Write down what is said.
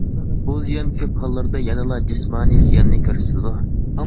بۇ زىيان كۆپ ھاللاردا يەنىلا جىسمانىي زىياننى كۆرسىتىدۇ.